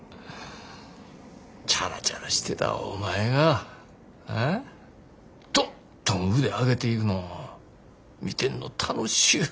チャラチャラしてたお前がどんどん腕上げていくの見てんの楽しゅうてなぁ。